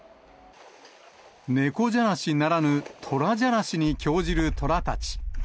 猫じゃらしならぬ虎じゃらしに興じる虎たち。